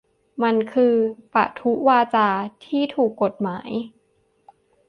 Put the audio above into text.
มันคือ "'ประทุษวาจา' ที่ถูกกฎหมาย"